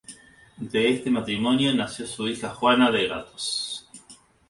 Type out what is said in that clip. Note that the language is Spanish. De este matrimonio nació su hija Juana de Gatos.